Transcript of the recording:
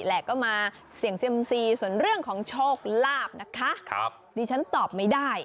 แล้วก็มาเสี่ยงสิมซี่ส่วนเรื่องของโชคราบนะคะ